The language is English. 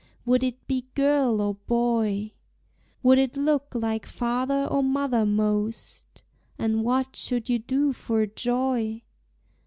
Would it be girl or boy? Would it look like father or mother most? And what should you do for joy?